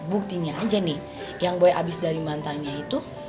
buktinya aja nih yang gue abis dari mantannya itu